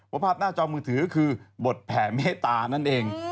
ภาพหน้าจอมือถือคือบทแผ่เมตตานั่นเอง